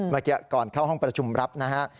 เมื่อกี้ก่อนเข้าห้องประชุมรับนะฮะ